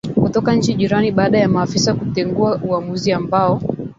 kutoka nchi jirani baada ya maafisa kutengua uamuzi ambao